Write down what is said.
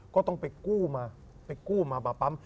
ก็ต้องไปกู้มามาปั๊ม